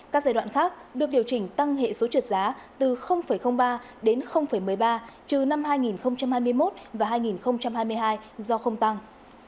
các giai đoạn khác được điều chỉnh tăng hệ số trượt giá từ ba đến một mươi ba trừ năm hai nghìn hai mươi một và hai nghìn hai mươi hai do không tăng